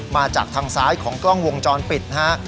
มาจากทางซ้ายของกล้องวงจรปิดนะฮะ